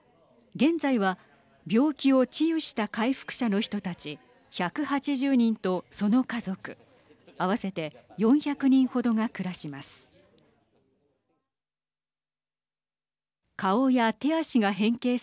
現在は病気を治癒した回復者の人たち１８０人とその家族合わせて４００人程が暮らします。